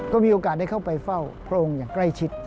ก็มีโอกาสได้เข้าไปเฝ้าพระองค์อย่างใกล้ชิด